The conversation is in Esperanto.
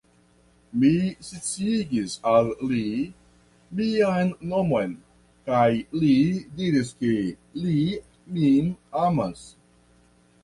Mi sciigis al li mian nomon kaj li diris ke li min amas.